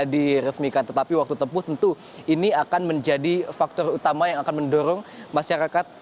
diresmikan tetapi waktu tempuh tentu ini akan menjadi faktor utama yang akan mendorong masyarakat